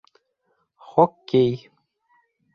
— Хоккей!